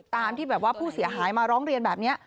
ตามที่ผู้เสียหายมาร้องเรียนแบบนี้